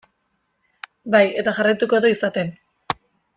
Bai, eta jarraituko du izaten.